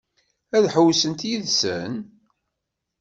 Ad ḥewwsent yid-sen?